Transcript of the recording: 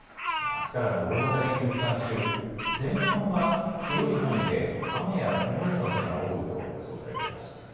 あすからの大型連休期間中、前半は広い範囲で雨や曇りの日が多いと予想されています。